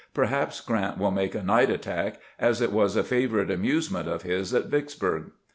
... Perhaps Grant will make a night attack, as it was a favorite amusement of his at Vicksburg."